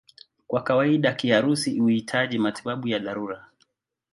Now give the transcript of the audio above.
Kwa kawaida kiharusi huhitaji matibabu ya dharura.